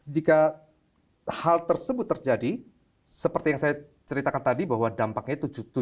jika hal tersebut terjadi seperti yang saya ceritakan tadi bahwa dampaknya